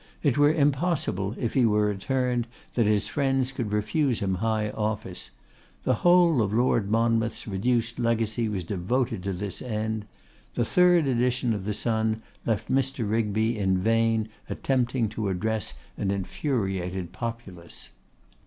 It were impossible if he were returned that his friends could refuse him high office. The whole of Lord Monmouth's reduced legacy was devoted to this end. The third edition of the Sun left Mr. Rigby in vain attempting to address an infuriated populace.